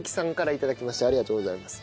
ありがとうございます。